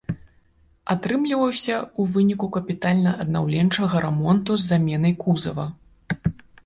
Атрымліваўся ў выніку капітальна-аднаўленчага рамонту з заменай кузава.